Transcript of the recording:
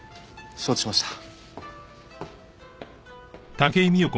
承知しました。